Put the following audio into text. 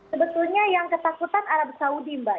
sebetulnya yang ketakutan arab saudi mbak